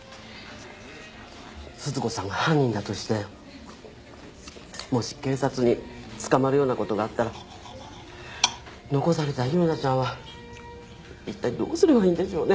鈴子さんが犯人だとしてもし警察に捕まるようなことがあったら残された優奈ちゃんは一体どうすればいいんでしょうね？